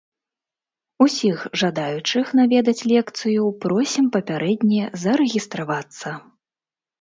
Усіх жадаючых наведаць лекцыю просім папярэдне зарэгістравацца.